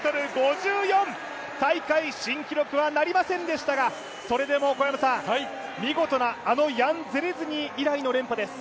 大会新記録はなりませんでしたが、それでも見事な、あのヤン・ゼレズニー以来の連覇です。